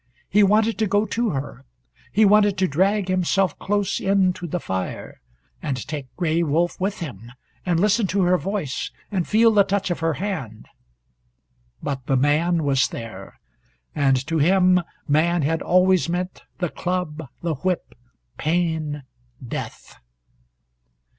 He wanted to go to her. He wanted to drag himself close in to the fire, and take Gray Wolf with him, and listen to her voice, and feel the touch of her hand. But the man was there, and to him man had always meant the club, the whip, pain, death.